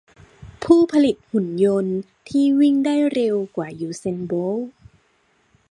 ผู้ผลิตหุ่นยนต์ที่วิ่งได้เร็วกว่า ยูเซน โบลต์